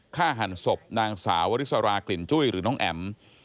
หั่นศพนางสาววริสรากลิ่นจุ้ยหรือน้องแอ๋ม